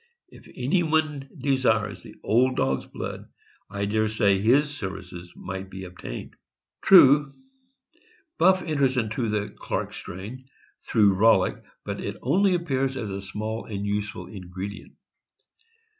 If anyone desires the old dog's blood, I dare say his services might be obtained. True, Buff enters into the Clark strain, through Rollick, but it only appears as a small and useful ingredient.